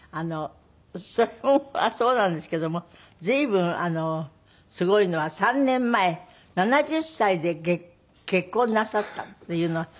それはそうなんですけども随分すごいのは３年前７０歳で結婚なさったっていうのは。